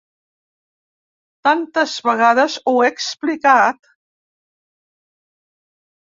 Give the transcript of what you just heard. Tantes vegades ho he explicat?